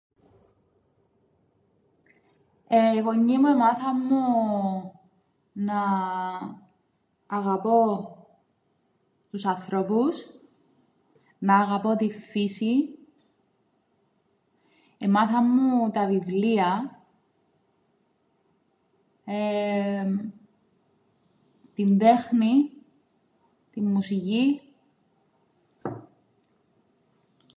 Εεε οι γονιοί μου εμάθαν μου να αγαπώ τους ανθρώπους, να αγαπώ την φύσην, εμάθαν μου τα βιβλία, εεεμ την τέχνην, την μουσικήν.